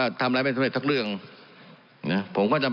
อุ้ยไปเปรียบเที่ยวมันยังไม่โกรธตายหรอ